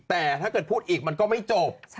แต่ถ้าเกิดพูดอีกมันก็ไม่จบ